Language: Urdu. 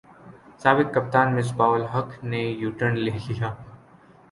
سابق کپتان مصباح الحق نے یوٹرن لے لیا